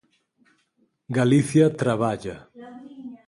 Galicia traballa.